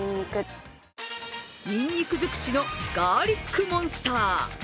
にんにく尽くしのガーリックモンスター。